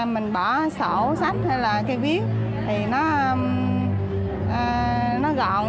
mình bỏ sổ sách hay là cây viếng thì nó gọn